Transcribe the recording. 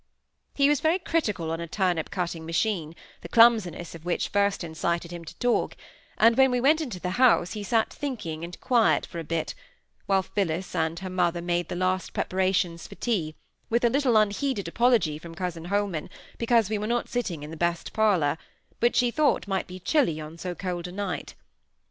He was very critical on a turnip cutting machine, the clumsiness of which first incited him to talk; and when we went into the house he sate thinking and quiet for a bit, while Phillis and her mother made the last preparations for tea, with a little unheeded apology from cousin Holman, because we were not sitting in the best parlour, which she thought might be chilly on so cold a night.